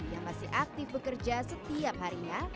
yang masih aktif bekerja setiap harinya